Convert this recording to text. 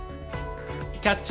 「『キャッチ！